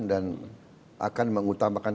dan akan mengutamakan